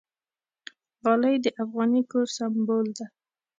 غالۍ د افغاني کور سِمبول ده.